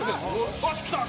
よしきた！